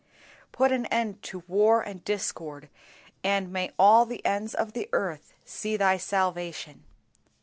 Put an end to war and discord, and may all the ends of the earth see Thy salvation.